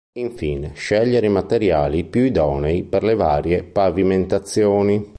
Infine scegliere i materiali più idonei per le varie pavimentazioni.